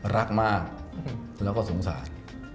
รักมากแล้วก็สงสาร